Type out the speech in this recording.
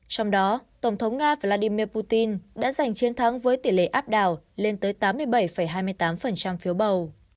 trong đó tổng thống nga vladimir putin đã giành chiến thắng với tỷ lệ áp đảo lên tới tám mươi bảy hai mươi tám phiếu bầu